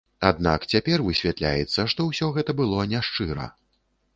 Аднак цяпер высвятляецца, што ўсё гэта было няшчыра.